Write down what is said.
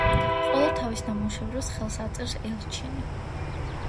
ყველა თავის ნამუშევრებს ხელს აწერს „ელჩინი“.